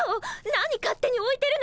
何勝手においてるのよ！